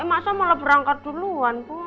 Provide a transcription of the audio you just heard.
masa malah berangkat duluan bu